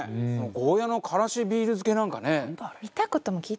ゴーヤーのからしビール漬けなんかね。